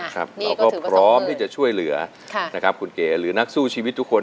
เราก็พร้อมที่จะช่วยเหลือนะครับคุณเก๋หรือนักสู้ชีวิตทุกคน